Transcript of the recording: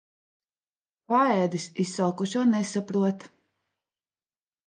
Paēdis izsalkušo nesaprot.